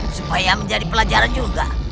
supaya menjadi pelajaran juga